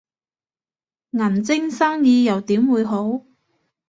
銀晶生意又點會好